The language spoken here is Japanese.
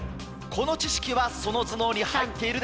この知識はその頭脳に入っているでしょうか？